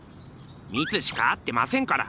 「ミツ」しか合ってませんから。